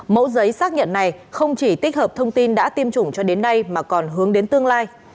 mẫu giấy xác nhận này không chỉ tích hợp thông tin đã tiêm chủng cho đến nay mà còn hướng đến tương lai